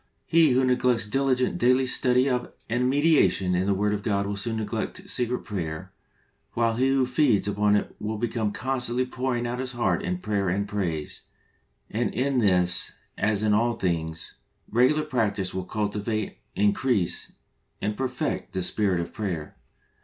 He who neglects diligent, daily study of and meditation in the Word of God will soon neglect secret prayer, while he who feeds upon it will be constantly pouring out his heart in prayer and praise, and in this as in all things, regular practice will cultivate, increase and perfect the spirit of prayer.